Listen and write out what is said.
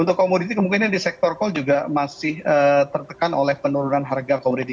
untuk komoditi kemungkinan di sektor call juga masih tertekan oleh penurunan harga komoditi